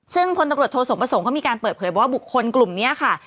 ซึ่งพลตำรวจโทสมประสงค์เขามีการเปิดเผยว่าบุคคลกลุ่มนี้ค่ะ